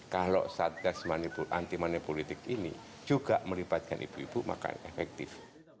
kalau satgas anti manipolitik ini juga melibatkan ibu ibu maka efektif